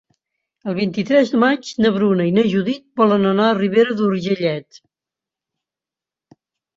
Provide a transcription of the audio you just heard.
El vint-i-tres de maig na Bruna i na Judit volen anar a Ribera d'Urgellet.